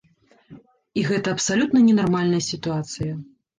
І гэта абсалютна ненармальная сітуацыя.